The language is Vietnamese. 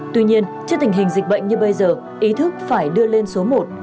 tuy nhiên trước tình hình dịch bệnh như bây giờ ý thức phải đưa lên số một